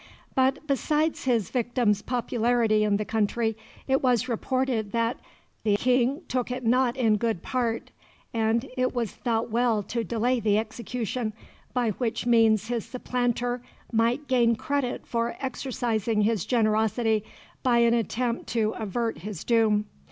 But, besides his victim's popularity in the country, it was reported that the "King took it not in good part," and it was thought well to delay the execution, by which means his supplanter might gain credit for exercising his generosity by an attempt to avert his doom.